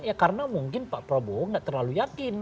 ya karena mungkin pak prabowo nggak terlalu yakin